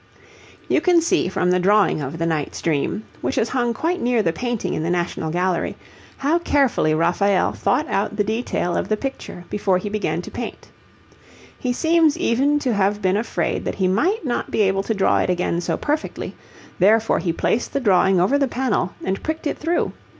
You can see from the drawing of the 'Knight's Dream,' which is hung quite near the painting in the National Gallery, how carefully Raphael thought out the detail of the picture before he began to paint. He seems even to have been afraid that he might not be able to draw it again so perfectly; therefore he placed the drawing over the panel and pricked it through.